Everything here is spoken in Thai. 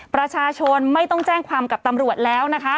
ประชาชนไม่ต้องแจ้งความกับตำรวจแล้วนะคะ